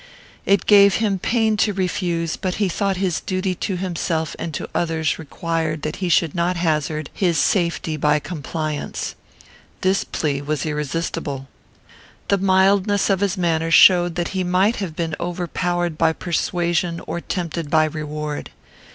It gave him pain to refuse, but he thought his duty to himself and to others required that he should not hazard his safety by compliance. This plea was irresistible. The mildness of his manner showed that he might have been overpowered by persuasion or tempted by reward.